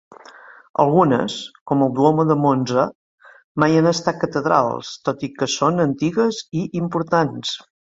Algunes, com el Duomo de Monza, mai han estat catedrals, tot i que són antigues i importants.